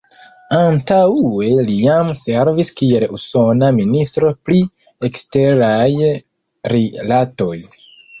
Antaŭe li jam servis kiel usona ministro pri eksteraj rilatoj.